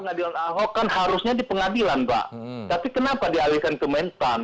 pengadilan ahok kan harusnya di pengadilan pak tapi kenapa dialihkan ke mentan